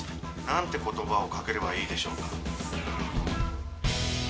「何て言葉をかければいいでしょうか？」